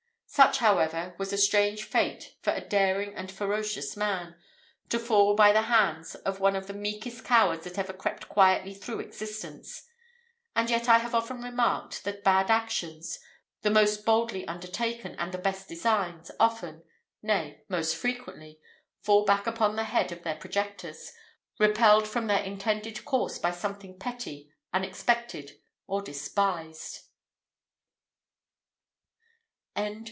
Such, however, was a strange fate for a daring and ferocious man to fall by the hands of one of the meekest cowards that ever crept quietly through existence! and yet I have often remarked that bad actions, the most boldly undertaken, and the best designed, often nay, most frequently fall back upon the head of their projectors, repelled from their intended course by something petty, unexpected, or despised.